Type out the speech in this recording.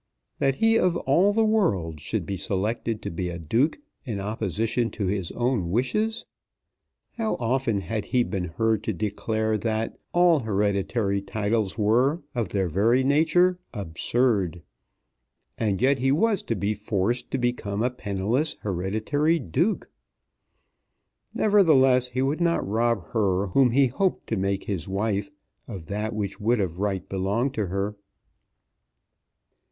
That he of all the world should be selected to be a Duke in opposition to his own wishes! How often had he been heard to declare that all hereditary titles were, of their very nature, absurd! And yet he was to be forced to become a penniless hereditary Duke! Nevertheless he would not rob her whom he hoped to make his wife of that which would of right belong to her.